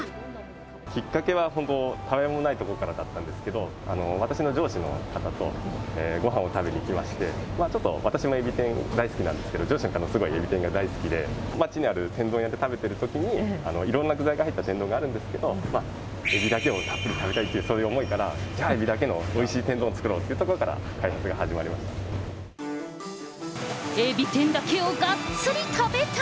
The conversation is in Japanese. きっかけは本当、たわいもないとこからだったんですけど、私の上司の方とごはんを食べに行きまして、ちょっと私もエビ天大好きなんですけど、上司の方もエビ天大好きで、街にある天丼屋で食べてるときに、いろんな具材が入った天丼があるんですけど、エビだけをたっぷり食べたいという、そういう思いから、じゃあ、エビだけのおいしい天丼作ろうというところから開発が始まりましエビ天だけをがっつり食べたい。